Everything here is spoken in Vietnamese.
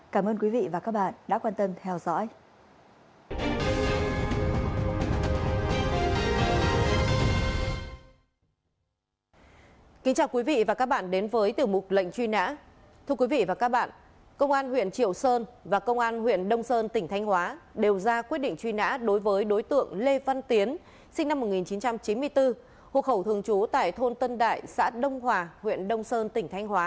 cảm ơn quý vị và các bạn đã quan tâm theo dõi